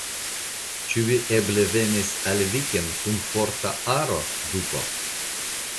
Ĉu vi eble venis al viken kun forta aro, duko?